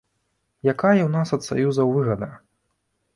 Якая ў нас ад саюзаў выгада?